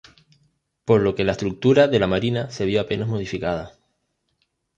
Por lo que la estructura de la marina se vio apenas modificada.